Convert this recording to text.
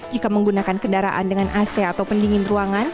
jika menggunakan kendaraan dengan ac atau pendingin ruangan